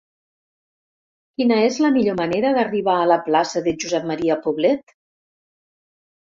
Quina és la millor manera d'arribar a la plaça de Josep M. Poblet?